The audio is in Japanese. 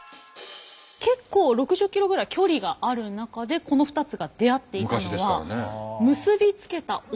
結構６０ｋｍぐらい距離がある中でこの２つが出会っていたのはほう。